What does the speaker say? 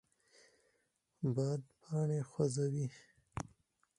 باد پاڼې خوځوي